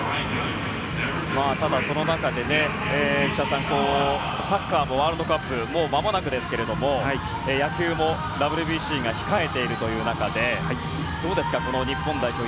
ただ、その中で内田さんサッカーのワールドカップももうまもなくですが野球もＷＢＣが控えている中でどうですか、日本代表。